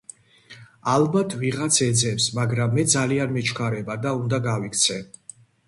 ალბათ ვიღაც ეძებს, მაგრამ მე ძალიან მეჩქარება და უნდა გავიქცე.